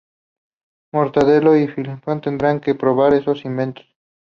Mortadelo y Filemón tendrán que probar esos inventos.